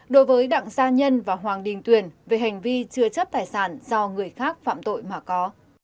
đối với đặng gia nhân và hoàng đình tuyển về hành vi chưa chấp tài sản do người khác phạm tội mà có